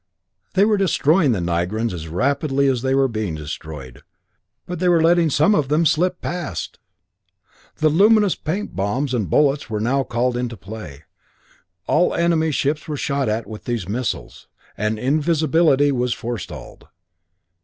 They were destroying the Nigrans as rapidly as they were being destroyed, but they were letting some of them slip past! The luminous paint bombs and bullets were now called into play. All enemy ships were shot at with these missiles, and invisibility was forestalled.